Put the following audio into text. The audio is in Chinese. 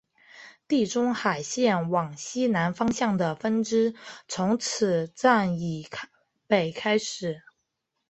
地中海线往西南方向的分支从此站以北开始。